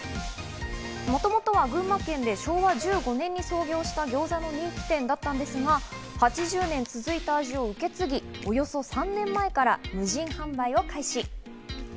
もともとは群馬県で昭和１５年に創業した餃子の人気店だったんですが、８０年続いた味を受け継ぎ、およそ３年前から無人販売を開始。